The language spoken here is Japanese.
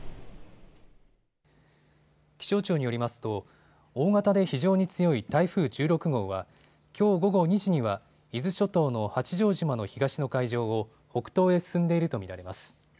気象庁によりますと大型で非常に強い台風１６号はきょう午後２時には伊豆諸島の八丈島の東の海上を北東へ進んでいると見られます。